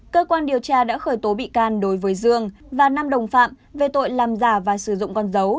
cơ quan điều tra đã khởi tố bị can đối với dương và năm đồng phạm về tội làm giả và sử dụng con dấu